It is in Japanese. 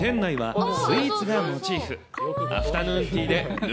店内はスイーツがモチーフ。